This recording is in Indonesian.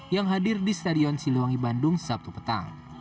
yang hadir di stadion siliwangi bandung sabtu petang